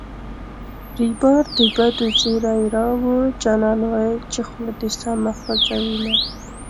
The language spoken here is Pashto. ریبار د بدو زېری راووړـــ جانان ویل چې خوله دې سمه خوزوینه